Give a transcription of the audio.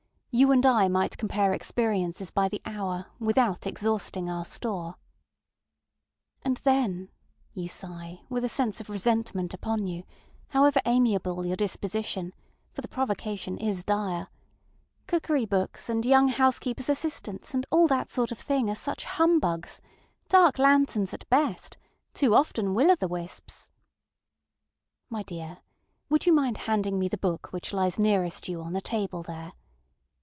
You and I might compare experiences by the hour without exhausting our store. ŌĆ£And thenŌĆØŌĆöyou sigh, with a sense of resentment upon you, however amiable your disposition, for the provocation is direŌĆöŌĆ£cookery books and young housekeepersŌĆÖ assistants, and all that sort of thing, are such humbugs! ŌĆöDark lanterns at bestŌĆötoo often Will oŌĆÖ the wisps. ŌĆØ My dear, would you mind handing me the book which lies nearest you on the table there?